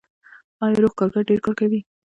آیا روغ کارګر ډیر کار کوي؟